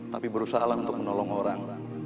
tapi berusaha untuk menolong orang